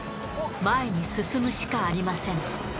前に進むしかありません。